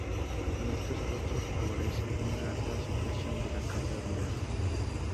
En estos casos favorece una alta supresión de la carga viral.